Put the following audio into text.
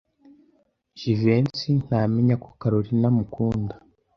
Jivency ntamenya ko Kalorina amukunda?